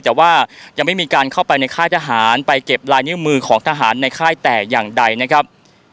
แต่ว่ายังไม่มีการเข้าไปในค่ายทหารไปเก็บลายนิ้วมือของทหารในค่ายแต่อย่างใดนะครับ